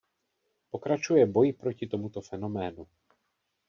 Pokračuje boj proti tomuto fenoménu.